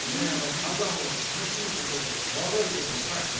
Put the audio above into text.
火山を楽しむことと怖がることのね。